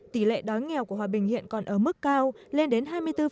tỷ lệ đói nghèo của hòa bình hiện còn ở mức cao lên đến hai mươi bốn